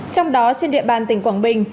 trong đó trên địa bàn tỉnh quảng bình